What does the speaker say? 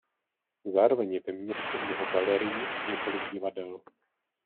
Zároveň je ve městě mnoho galerií a několik divadel.